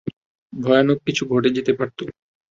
ভয়ানক কিছু ঘটে যেতে পারত।